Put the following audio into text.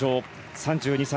３２歳。